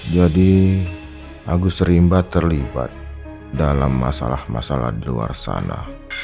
jadi agus rimba terlibat dalam masalah masalah di luar sana